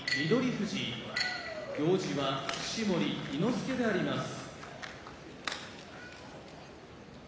富士行司は式守伊之助であります。